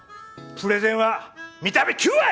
プレゼンは見た目９割！